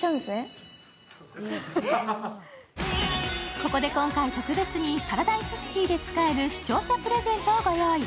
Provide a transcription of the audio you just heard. ここで今回特別にパラダイスシティで使える視聴者プレゼントをご用意。